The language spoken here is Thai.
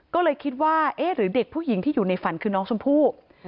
ก็เลยคิดว่าเอ๊ะหรือเด็กผู้หญิงที่อยู่ในฝันคือน้องชมพู่